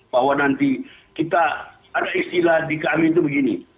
bahwa nanti kita ada istilah di kami itu begini